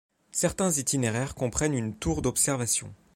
Certains itinéraires comprennent une tour d'observation.